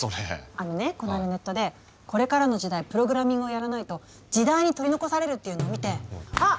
あのねこないだネットでこれからの時代プログラミングをやらないと時代に取り残されるっていうのを見てあっ！